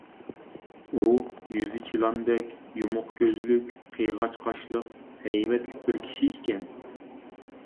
ئۇ يۈزى چىلاندەك، يۇمۇق كۆزلۈك، قىيغاچ قاشلىق، ھەيۋەتلىك بىر كىشى ئىكەن.